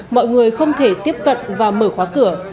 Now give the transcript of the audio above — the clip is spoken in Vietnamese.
mọi người không thể tiếp cận và mở khóa cửa